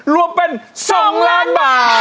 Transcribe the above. รวมเป็น๒ล้านบาท